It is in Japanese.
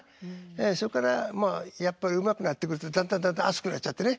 それからまあやっぱりうまくなってくるとだんだんだんだん熱くなっちゃってね。